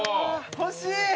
欲しい！